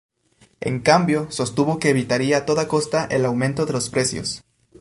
En cambio, sostuvo que evitaría a toda costa el aumento de los precios.